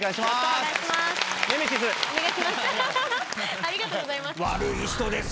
ありがとうございます。